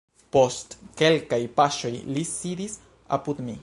Post kelkaj paŝoj li sidis apud mi.